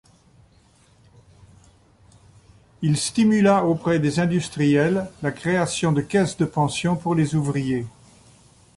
Il stimula auprès des industriels la création de caisses de pension pour les ouvriers.